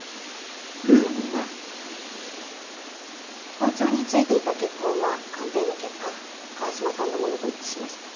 包丁に付いていた血痕は鑑定の結果川島さんのものと一致しました。